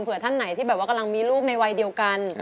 ท่านไหนที่แบบว่ากำลังมีลูกในวัยเดียวกัน